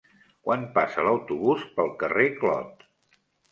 Quan passa l'autobús pel carrer Clot?